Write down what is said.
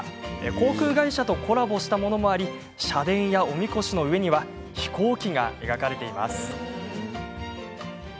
航空会社とコラボしたものもあり社殿や、おみこしの上には飛行機が描かれています。